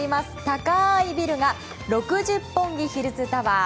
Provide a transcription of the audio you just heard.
高いビルが六十本木ヒルズタワー。